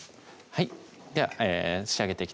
はい